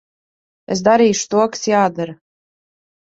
Es darīšu to, kas jādara.